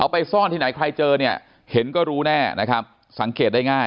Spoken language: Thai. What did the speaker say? ไปซ่อนที่ไหนใครเจอเนี่ยเห็นก็รู้แน่นะครับสังเกตได้ง่าย